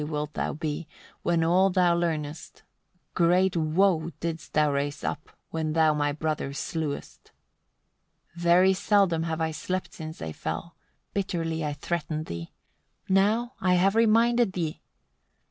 wilt thou be, when all thou learnest; great woe didst thou raise up, when thou my brother slewest. 78. Very seldom have I slept since they fell. Bitterly I threatened thee: now I have reminded thee.